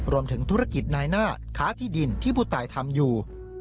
รวมถึงธุรกิจนายหน้าค้าที่ดินที่ผู้ตายทำอยู่